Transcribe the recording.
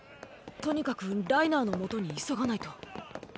とにかくライナーの元に急がないと。